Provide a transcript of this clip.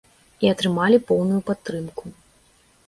І атрымалі поўную падтрымку.